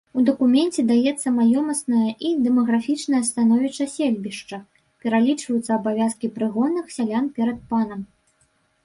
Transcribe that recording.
У дакуменце даецца маёмаснае і дэмаграфічнае становішча сельбішча, пералічваюцца абавязкі прыгонных сялян перад панам.